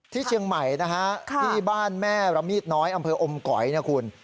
ที่เชียงใหม่นะฮะที่บ้านแม่ระมีดน้อยอำเภออมก๋อยนะคุณ